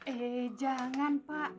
eh jangan pak